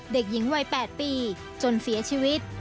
เด็กหญิงวัย๘ปีจนเสียชีวิต